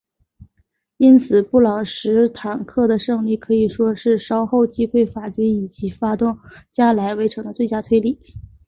因此布朗什塔克的胜利可以说是稍后击溃法军以及发动加莱围城的最大推力。